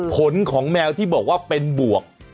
ผลของแมวที่บอกว่าเป็นบวก